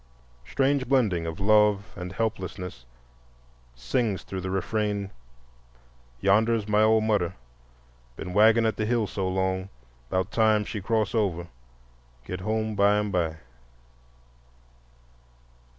Strange blending of love and helplessness sings through the refrain: "Yonder's my ole mudder, Been waggin' at de hill so long; 'Bout time she cross over, Git home bime by."